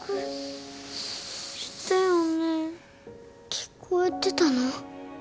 聞こえてたの？